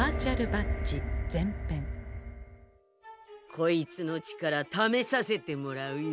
こいつの力ためさせてもらうよ。